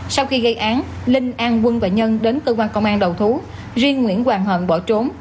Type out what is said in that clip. sau khi gây án linh an quân và nhân đến cơ quan công an đầu thú riêng nguyễn hoàng hận bỏ trốn